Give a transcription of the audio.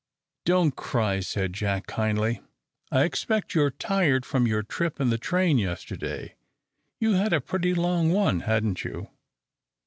"Don't cry," said Jack, kindly. "I expect you're tired from your trip in the train yesterday. You had a pretty long one, hadn't you?"